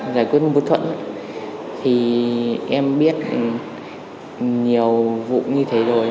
giải quyết một thuẫn thì em biết nhiều vụ như thế rồi